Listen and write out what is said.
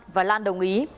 và lan đồng ý